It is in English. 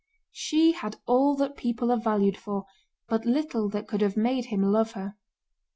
She had all that people are valued for, but little that could have made him love her.